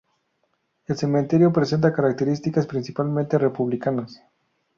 El Cementerio presenta características principalmente republicanas.